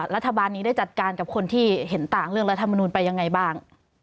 รัฐบาลนี้ได้จัดการกับคนที่เห็นต่างเรื่องรัฐมนุนไปยังไงบ้าง